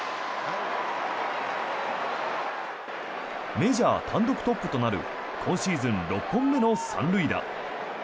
メジャー単独トップとなる今シーズン６本目の３塁打。